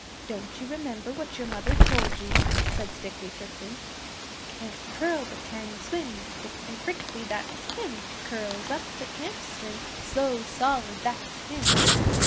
'Don't you remember what your mother told you?' said Stickly Prickly, 'Can't curl, but can swim Stickly Prickly, that's him! Curls up, but can't swim Slow Solid, that's him!